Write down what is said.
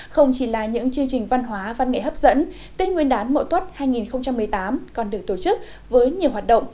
không chỉ là những chương trình văn hóa văn nghệ hấp dẫn tết nguyên đán mậu tuất hai nghìn một mươi tám còn được tổ chức với nhiều hoạt động